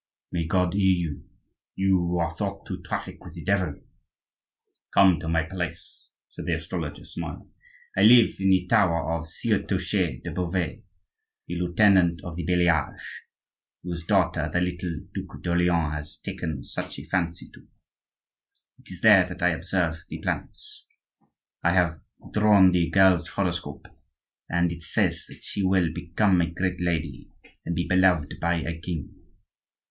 "May God hear you—you who are thought to traffic with the devil!" "Come to my place," said the astrologer, smiling. "I live in the tower of Sieur Touchet de Beauvais, the lieutenant of the Bailliage, whose daughter the little Duc d'Orleans has taken such a fancy to; it is there that I observe the planets. I have drawn the girl's horoscope, and it says that she will become a great lady and be beloved by a king.